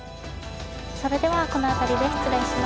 それではこの辺りで失礼します。